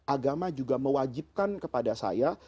agama juga mewajibkan kepada saya